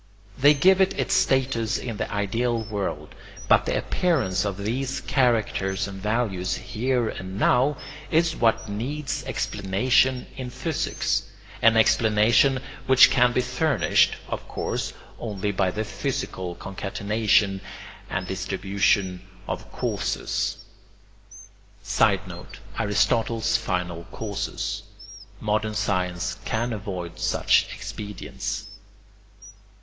They give it its status in the ideal world; but the appearance of these characters and values here and now is what needs explanation in physics, an explanation which can be furnished, of course, only by the physical concatenation and distribution of causes. [Sidenote: Aristotle's final causes. Modern science can avoid such expedients.